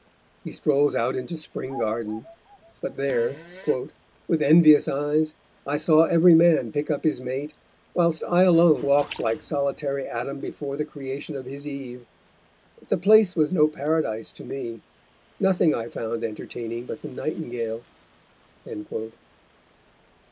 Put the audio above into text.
He strolls out into Spring Garden, but there, "with envious eyes, I saw every Man pick up his Mate, whilst I alone walked like solitary Adam before the Creation of his Eve; but the place was no Paradise to me; nothing I found entertaining but the Nightingale."